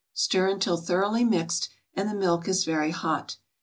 Stir until thoroughly mixed, and the milk is very hot.